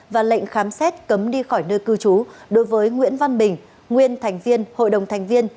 và lệnh khám xét cấm đi khỏi nơi cư trú đối với nguyễn văn bình nguyên thành viên hội đồng thành viên